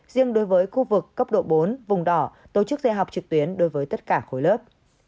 riêng đối với khu vực cấp độ bốn vùng đỏ tổ chức dạy học trực tuyến đối với tất cả khối lớp